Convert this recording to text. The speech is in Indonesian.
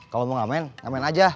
kalau mau ngamen ngamen aja